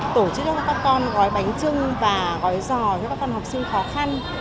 tổ chức cho các con gói bánh trưng và gói giò cho các con học sinh khó khăn